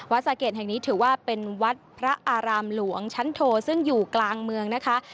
สะเกดแห่งนี้ถือว่าเป็นวัดพระอารามหลวงชั้นโทซึ่งอยู่กลางเมืองนะคะ